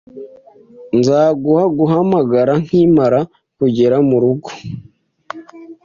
Nzaguha guhamagara nkimara kugera murugo.